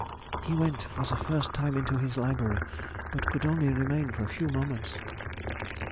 _—He went for the first time into his library, but could only remain for a few moments.